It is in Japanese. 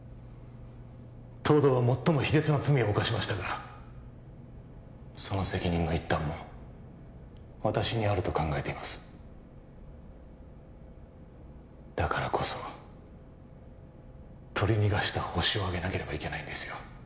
東堂は最も卑劣な罪を犯しましたがその責任の一端も私にあると考えていますだからこそ取り逃がしたホシをあげなければいけないんですよ